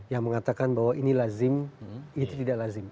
yang mengatakan bahwa ini lazim itu tidak lazim